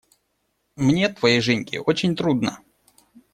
Мне, твоей Женьке, очень трудно.